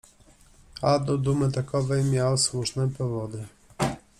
A do dumy takowej miał słuszne powody